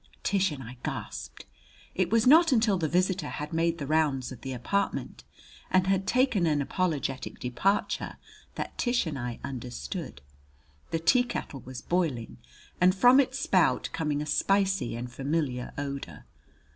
Tish and I gasped. It was not until the visitor had made the rounds of the apartment, and had taken an apologetic departure, that Tish and I understood. The teakettle was boiling and from its spout coming a spicy and familiar odor.